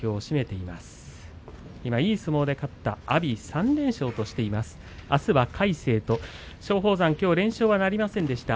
いい相撲で勝った阿炎３連勝としました。